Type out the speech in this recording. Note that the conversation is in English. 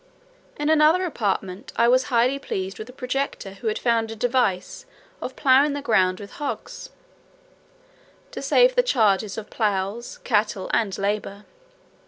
In another apartment I was highly pleased with a projector who had found a device of ploughing the ground with hogs, to save the charges of ploughs, cattle, and labour.